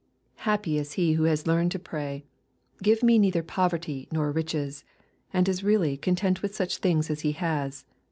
Happy is he who has learned to pray, " Give me neither poverty nor riches," and is really " content with such thing^as he has."